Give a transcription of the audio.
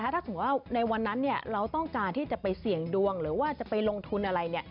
ถ้าสมมุติว่าในวันนั้นเราต้องการที่จะไปเสี่ยงดวงหรือว่าจะไปลงทุนอะไร